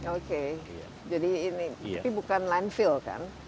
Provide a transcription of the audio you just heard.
oke jadi ini tapi bukan landfill kan